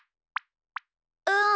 うん。